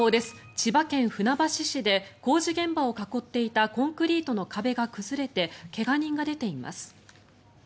千葉県船橋市で工事現場を囲っていたコンクリートの壁が崩れて怪我人が出ています。